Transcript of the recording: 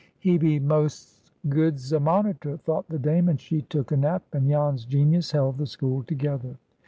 "He be most's good's a monitor," thought the Dame; and she took a nap, and Jan's genius held the school together.